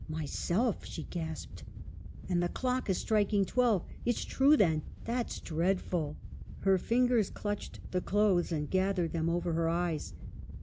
"'Myself!' she gasped, 'and the clock is striking twelve. It's true then ! that's dread ful !'" Her fingers clutched the clothes, and gathered them over her eyes."